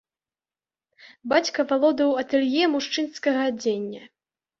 Бацька валодаў атэлье мужчынскага адзення.